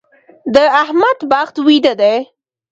د احمد بخت ويده دی.